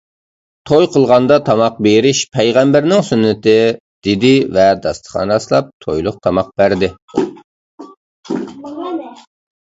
— توي قىلغاندا تاماق بېرىش پەيغەمبەرنىڭ سۈننىتى، — دېدى ۋە داستىخان راسلاپ تويلۇق تاماق بەردى.